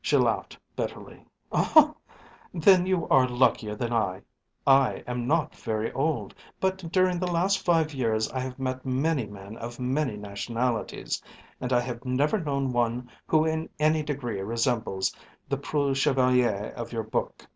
She laughed bitterly. "Then you are luckier than I. I am not very old, but during the last five years I have met many men of many nationalities, and I have never known one who in any degree resembles the preux chevalier of your book.